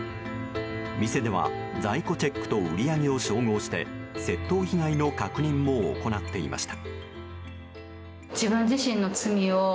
店では、在庫チェックと売り上げを照合して窃盗被害の確認も行っていました。